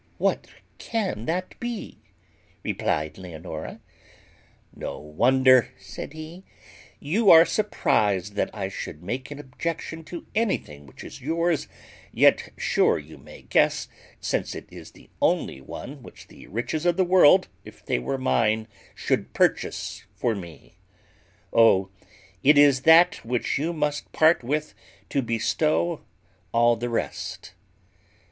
"What can that be?" replied Leonora. "No wonder," said he, "you are surprized that I should make an objection to anything which is yours: yet sure you may guess, since it is the only one which the riches of the world, if they were mine, should purchase for me. Oh, it is that which you must part with to bestow all the rest!